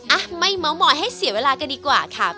อ่ะไม่เมาสอยให้เสียเวลากันดีกว่าค่ะ